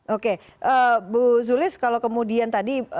oke bu zulis kalau kemudian tadi